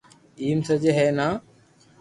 ايم سڄي ھي ني